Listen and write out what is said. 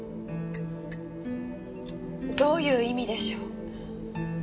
どういう意味でしょう？